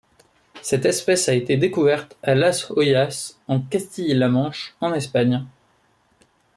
Cette espèce a été découverte à Las Hoyas en Castille-La Manche en Espagne.